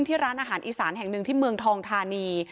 ที่ร้านอาหารอีสานแห่งหนึ่งที่เมืองทองทานี